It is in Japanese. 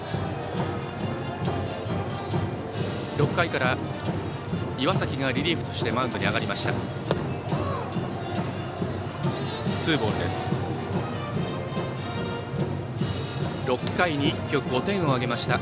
６回から岩崎がリリーフとしてマウンドに上がりました。